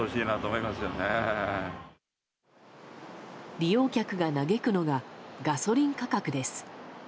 利用客が嘆くのがガソリン価格です。